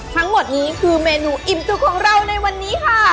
ทั้งหมดนี้คือเมนูอิ่มจุกของเราในวันนี้ค่ะ